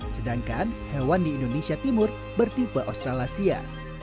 sedangkan hewan di indonesia timur bertipe australasia